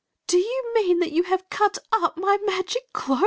" Do you mean that you have cut up my magic ckdt?"